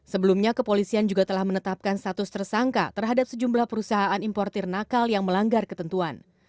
sebelumnya kepolisian juga telah menetapkan status tersangka terhadap sejumlah perusahaan importer nakal yang melanggar ketentuan